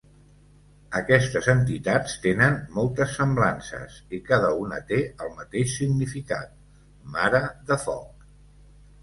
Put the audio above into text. Aquestes entitats tenen moltes semblances, i cada una té el mateix significat, "mare de foc".